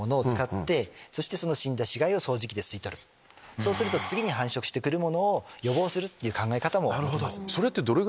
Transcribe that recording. そうすると繁殖してくるものを予防するって考え方もあります。